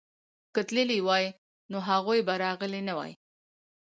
که تللي وای نو هغوی به راغلي نه وای.